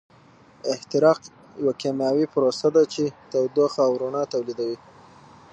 احتراق یوه کیمیاوي پروسه ده چې تودوخه او رڼا تولیدوي.